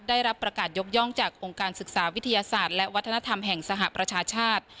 ได้รับประกาศยกย่องจากองค์การศึกษาวิทยาศาสตร์และวัฒนธรรมแห่งสหประชาชาติ